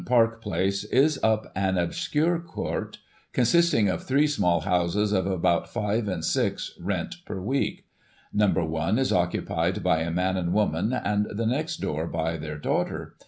Park Place, is up an obscure court, consisting of three small houses, of about 5/6 rent per week. No. i is occupied by a man and woman, and the next door by their daughter.